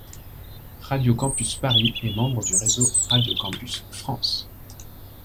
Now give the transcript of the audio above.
Radio campus Paris est membre du réseau Radio Campus France.